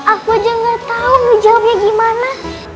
aku aja gak tau jawabnya gimana